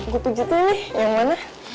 gue pijetin nih yang mana